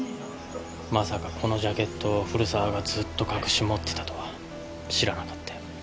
まさかこのジャケットを古沢がずっと隠し持ってたとは知らなかったよ。